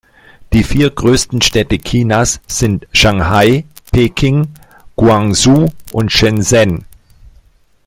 Die vier größten Städte Chinas sind Shanghai, Peking, Guangzhou und Shenzhen.